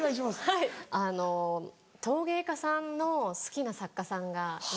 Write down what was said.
はいあの陶芸家さんの好きな作家さんがいまして。